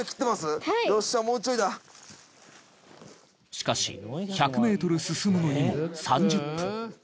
しかし１００ｍ進むのにも３０分。